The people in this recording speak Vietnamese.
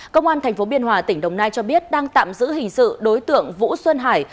công an tp biên hòa tỉnh đồng nai cho biết đang tạm giữ hình sự đối tượng vũ xuân hải